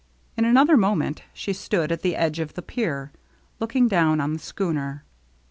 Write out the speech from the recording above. In another moment she stood at the edge of the pier, looking down on the schooner.